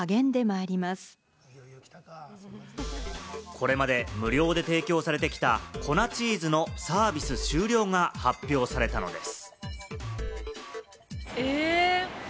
これまで無料で提供されてきた粉チーズのサービス終了が発表されたのです。